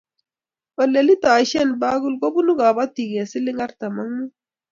Olee litaishe bokol kobunuu kabotiik eng siling artam ak muut.